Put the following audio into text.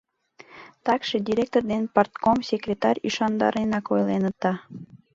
Такше директор ден партком секретарь ӱшандаренак ойленыт да...